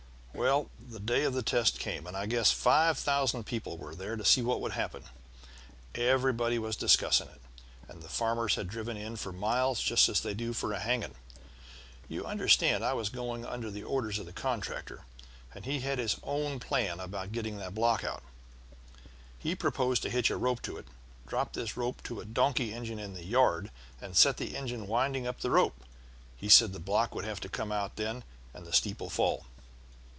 "Well the day of the test came, and I guess five thousand people were there to see what would happen. Everybody was discussing it, and farmers had driven in for miles just as they do for a hanging. You understand I was under the orders of the contractor, and he had his own plan about getting the block out. He proposed to hitch a rope to it, drop this rope to a donkey engine in the yard, and set the engine winding up the rope. He said the block would have to come out then and the steeple fall.